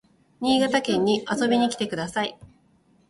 新潟県に遊びに来てください